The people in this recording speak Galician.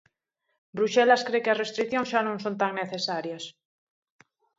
Bruxelas cre que as restricións xa non son tan necesarias.